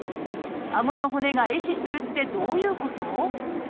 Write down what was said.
顎の骨が壊死するってどういうこと？